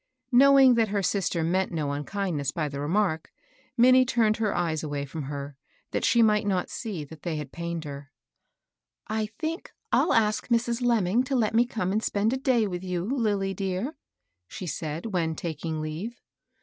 Knowing that her sister meant no unkindness by the remark, Mmnie turned her eyes away fix)m her, that she might not see that they had pained her. " I think I'll ask Mrs. Lemming to let me come and spend a day with you, Lilly dear," she said, when taking leave.